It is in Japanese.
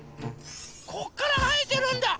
こっからはえてるんだ！